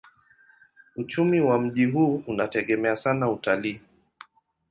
Uchumi wa mji huu unategemea sana utalii.